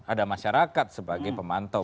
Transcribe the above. ada masyarakat sebagai pemantau